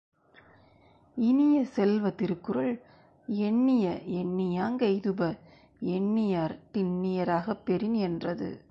இனிய செல்வ, திருக்குறள், எண்ணிய எண்ணியாங் கெய்துப எண்ணியார் திண்ணிய ராகப் பெறின் என்றது.